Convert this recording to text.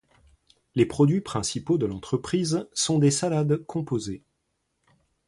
Les produits principaux de l'entreprise sont des salades composées.